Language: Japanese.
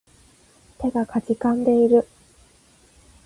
手が悴んでいる